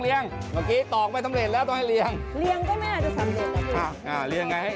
เอ้ยไปไหนเล่า